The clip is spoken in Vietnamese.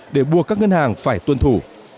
để buộc các ngân hàng phải tuân thủ